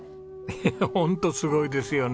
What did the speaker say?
ホントすごいですよね！